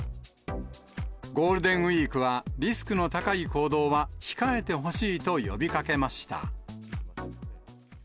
ゴールデンウィークは、リスクの高い行動は控えてほしいと呼びかけました。